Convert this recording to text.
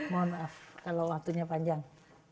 mohon maaf kalau waktunya panjang